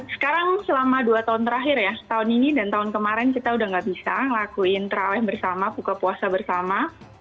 sekarang selama dua tahun terakhir ya tahun ini dan tahun kemarin kita udah gak bisa ngelakuin terawih bersama buka puasa bersama